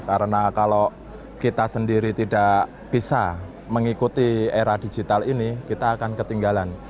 karena kalau kita sendiri tidak bisa mengikuti era digital ini kita akan ketinggalan